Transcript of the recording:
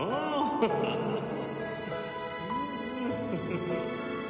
ハハハハ。